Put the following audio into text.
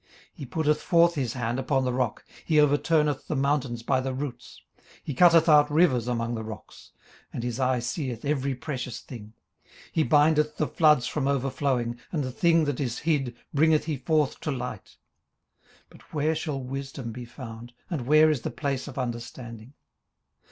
18:028:009 He putteth forth his hand upon the rock; he overturneth the mountains by the roots. 18:028:010 He cutteth out rivers among the rocks; and his eye seeth every precious thing. 18:028:011 He bindeth the floods from overflowing; and the thing that is hid bringeth he forth to light. 18:028:012 But where shall wisdom be found? and where is the place of understanding?